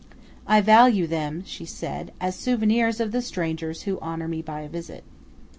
"I value them," she said, "as souvenirs of the strangers who honour me by a visit."